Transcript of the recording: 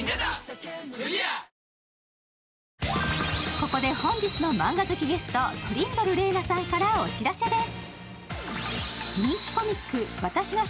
ここで本日のマンガ好きゲスト、トリンドル玲奈さんからお知らせです。